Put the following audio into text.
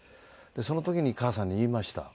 その時に母さんに言いました。